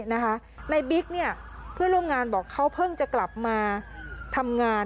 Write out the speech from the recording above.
นายบิ๊กเนี่ยเพื่อนร่วมงานบอกเขาเพิ่งจะกลับมาทำงาน